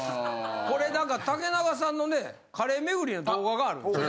これ竹中さんのねカレー巡りの動画があるんですよね。